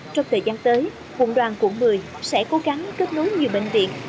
trong thời gian tới quận đoàn quận một mươi sẽ cố gắng kết nối nhiều bệnh viện